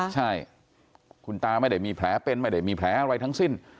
ใช่คุณตาไม่ได้มีแผลเป็นไม่ได้มีแผลอะไรทั้งสิ้น